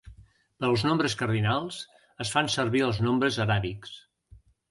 Per als nombres cardinals es fan servir els nombres aràbics.